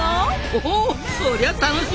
おおそりゃ楽しみ！